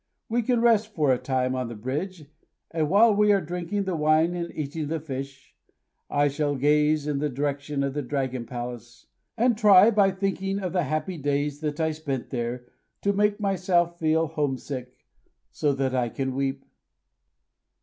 We can rest for a time on the bridge; and while we are drinking the wine and eating the fish, I shall gaze in the direction of the Dragon Palace, and try, by thinking of the happy days that I spent there, to make myself feel homesick so that I can weep."